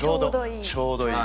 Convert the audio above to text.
ちょうどいい？